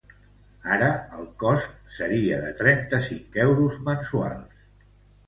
Ara el cost seria de trenta-cinc euros mensuals.